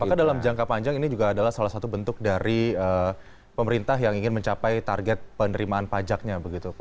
apakah dalam jangka panjang ini juga adalah salah satu bentuk dari pemerintah yang ingin mencapai target penerimaan pajaknya begitu pak